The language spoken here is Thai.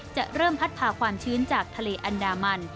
จะเริ่มพัดพาความชื้นจากทะเลอันดามัน